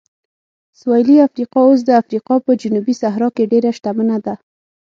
سویلي افریقا اوس د افریقا په جنوبي صحرا کې ډېره شتمنه ده.